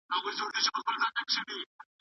په کتابتون کي خلګ په مطالعه بوخت وو.